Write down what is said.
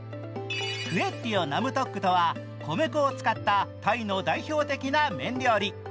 クエッティオ・ナムトックとは、米粉を使ったタイの代表的な麺料理。